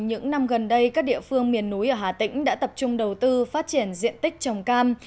những năm gần đây các địa phương miền núi ở hà tĩnh đã tập trung đầu tư phát triển diện tích trồng cam